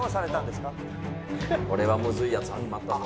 これはむずいやつ始まったぞ。